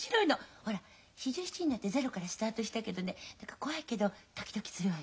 ほら４７になってゼロからスタートしたけどね怖いけどドキドキするわよ。